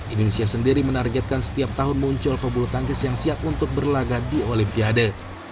indonesia sendiri menargetkan setiap tahun muncul pebulu tangkis yang siap untuk berlaga di olimpiade